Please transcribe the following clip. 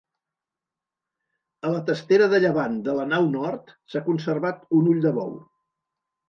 A la testera de llevant de la nau nord s'ha conservat un ull de bou.